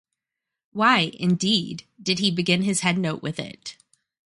Why, indeed, did he begin his headnote with it?